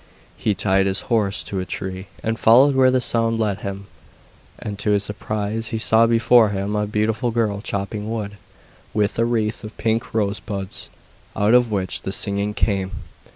He tied his horse to a tree, and followed where the sound led him, and, to his surprise, he saw before him a beautiful girl chopping wood, with a wreath of pink rose buds, out of which the singing came.